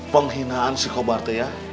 penghinaan si kobarte ya